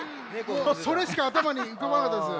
それしかあたまにうかばなかったです。